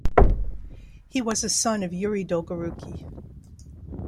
He was a son of Yuri Dolgorukiy.